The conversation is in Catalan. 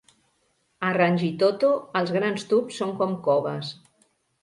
A Rangitoto, els grans tubs són com coves.